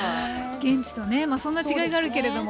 現地とねそんな違いがあるけれども。